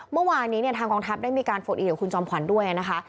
เมื่อวานนี้เนี่ยทางกองทัพได้มีการโฟกอินกับคุณจอมขวัญด้วยนะคะ